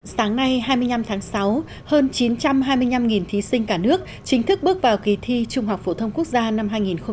sáng nay hai mươi năm tháng sáu hơn chín trăm hai mươi năm thí sinh cả nước chính thức bước vào kỳ thi trung học phổ thông quốc gia năm hai nghìn một mươi chín